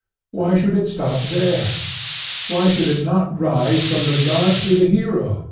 Why should it stop there? Why should it not rise from the god to the Hero?